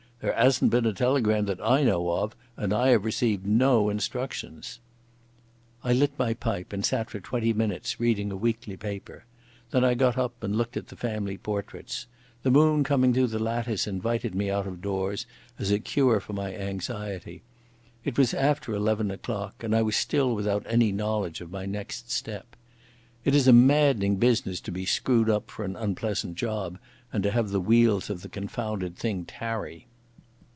"There 'asn't been a telegram that I know of, and I 'ave received no instructions." I lit my pipe and sat for twenty minutes reading a weekly paper. Then I got up and looked at the family portraits. The moon coming through the lattice invited me out of doors as a cure for my anxiety. It was after eleven o'clock, and I was still without any knowledge of my next step. It is a maddening business to be screwed up for an unpleasant job and to have the wheels of the confounded thing tarry.